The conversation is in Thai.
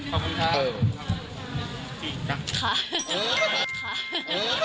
ขอบคุณค่ะเออ